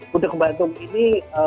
budeg batum ini